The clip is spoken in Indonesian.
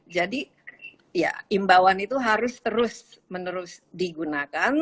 jadi ya imbauan itu harus terus menerus digunakan